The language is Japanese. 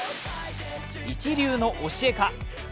イチ流の教えか。